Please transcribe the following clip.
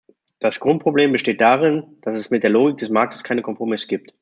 Das Grundproblem besteht darin, dass es mit der Logik des Marktes keine Kompromisse gibt.